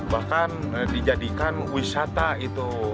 bahkan dijadikan wisata itu